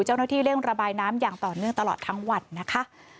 เจ้าหน้าที่เร่งระบายน้ำอย่างต่อเนื่องตลอดทั้งวันนะคะ